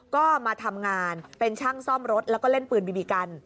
ก็มาทำงานเป็นช่างซ่อมรถแล้วก็เล่นปืนบีบีกัน